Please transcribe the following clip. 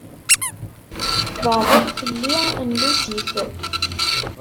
"Tbeεdeḍ fell-i" n Lusif.